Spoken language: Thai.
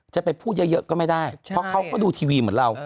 จะไปพูดเยอะก็ไม่ได้เพราะเขาก็ดูทีวีเหมือนเรา